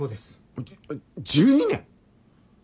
えっ１２年！？